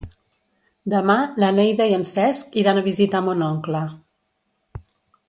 Demà na Neida i en Cesc iran a visitar mon oncle.